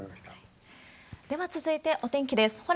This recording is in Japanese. では続いて、お天気です。